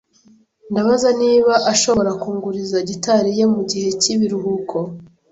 Ndabaza niba ashobora kunguriza gitari ye mugihe cyibiruhuko.